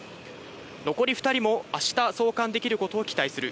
残り２人も明日送還できることを期待する。